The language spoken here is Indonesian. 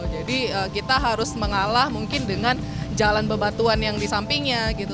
jadi kita harus mengalah mungkin dengan jalan bebatuan yang di sampingnya gitu